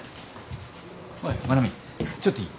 おい真奈美ちょっといい？